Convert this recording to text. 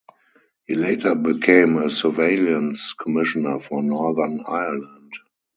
He later became a Surveillance Commissioner for Northern Ireland.